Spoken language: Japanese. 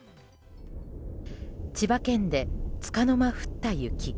千葉県でつかの間、降った雪。